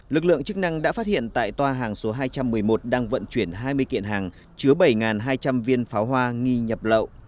lực lượng chức năng đã phát hiện tại tòa hàng số hai trăm một mươi một đang vận chuyển hai mươi kiện hàng chứa bảy hai trăm linh viên pháo hoa nghi nhập lậu